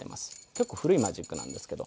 結構古いマジックなんですけど。